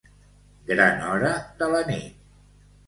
Gran hora de la nit.